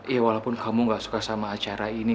ya walaupun kamu gak suka sama acara ini